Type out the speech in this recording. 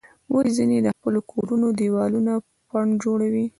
ولې ځینې د خپلو کورونو دیوالونه پنډ جوړوي؟